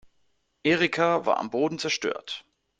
Erika war am Boden zerstört.